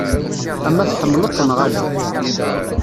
Ama tḥemmleḍ-t neɣ ala.